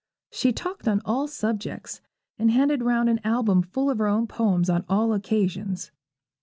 She talked on all subjects, and handed round an album full of her own poems on all occasions.